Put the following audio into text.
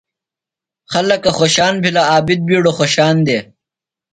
خلکہ خوشان بِھلہ۔ عابد بِیڈُوۡ خوشان دےۡ۔